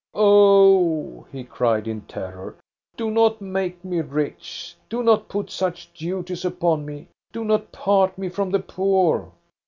Oh," he cried in terror, " do not make me rich ! Do not put such duties upon me ! Do not part me from the poor